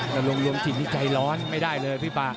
แต่ลงทิศนี้ใจร้อนไม่ได้เลยพี่ปาก